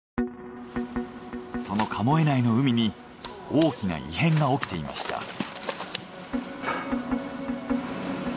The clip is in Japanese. その神恵内の海に大きな異変が起きていました。